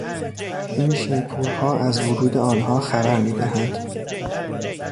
این شیپورها از ورود آنها خبر میدهند.